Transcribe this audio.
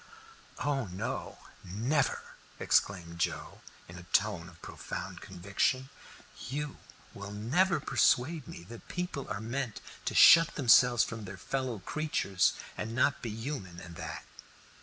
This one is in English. "Oh no, never!" exclaimed Joe, in a tone of profound conviction. "You will never persuade me that people are meant to shut themselves from their fellow creatures, and not be human, and that."